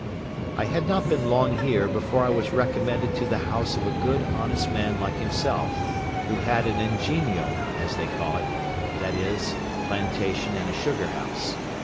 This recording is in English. I had not been long here before I was recommended to the house of a good honest man like himself, who had an ingenio, as they call it (that is, a plantation and a sugar house).